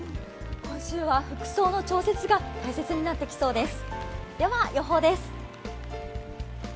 今週は服装の調節が大切になってきそうです。